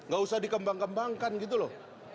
gak usah dikembang kembangkan gitu loh